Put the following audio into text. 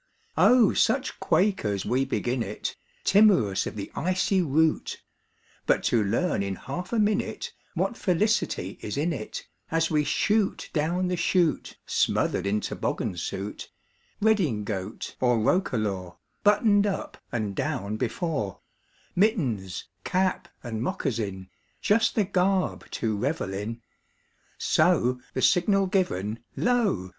Oh, such quakers we begin it, Timorous of the icy route! But to learn in half a minute What felicity is in it, As we shoot down the chute, Smothered in toboggan suit, Redingote or roquelaure, Buttoned up (and down) before, Mittens, cap, and moccasin, Just the garb to revel in; So, the signal given, lo!